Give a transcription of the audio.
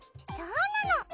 そうなの！